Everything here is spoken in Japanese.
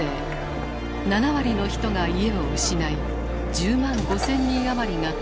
７割の人が家を失い１０万５，０００人余りが命を落とした。